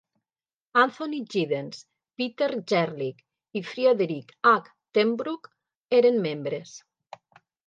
Anthony Giddens, Peter Gerlich i Friedrich H. Tenbruck eren membres.